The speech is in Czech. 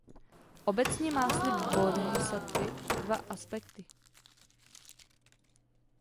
Obecně má slib bódhisattvy dva aspekty.